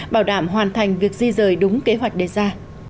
bảo đảm hoàn thành việc di rời đúng kế hoạch đề ra